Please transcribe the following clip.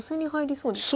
そうですね